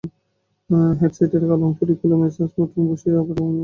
হেডসেটের কালো অংশটি খুলে স্মার্টফোনটি বসিয়ে আবার কালো অংশটি আটকে দিতে হবে।